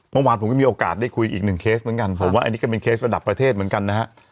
เมื่อวานผมก็มีโอกาสได้คุยอีกหนึ่งเคสเหมือนกันผมว่าอันนี้ก็เป็นเคสระดับประเทศเหมือนกันนะฮะ